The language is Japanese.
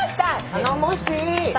頼もしい！